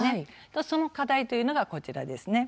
その課題というのがこちらです。